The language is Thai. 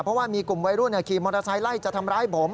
เพราะว่ามีกลุ่มวัยรุ่นขี่มอเตอร์ไซค์ไล่จะทำร้ายผม